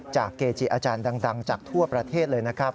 เกจิอาจารย์ดังจากทั่วประเทศเลยนะครับ